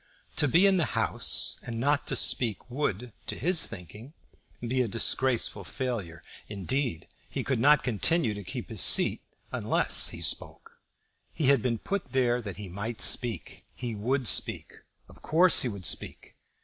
To be in the House and not to speak would, to his thinking, be a disgraceful failure. Indeed, he could not continue to keep his seat unless he spoke. He had been put there that he might speak. He would speak. Of course he would speak.